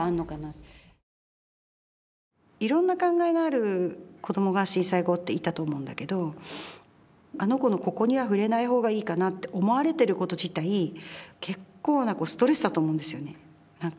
いろんな考えがある子どもが震災後っていたと思うんだけどあの子のここには触れないほうがいいかなって思われてること自体結構なストレスだと思うんですよね何か。